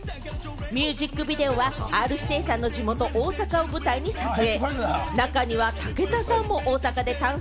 ミュージックビデオはＲ−指定さんの地元・大阪を舞台に撮影。